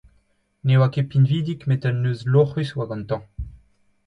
Ne oa ket pinvidik, met un neuz loc'hus a oa gantañ.